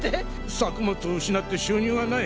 作物を失って収入がない。